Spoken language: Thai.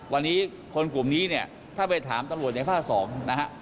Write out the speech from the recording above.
วันนี้คนกลุ่มนี้เนี่ยถ้าไปถามตำรวจในภาค๒นะฮะ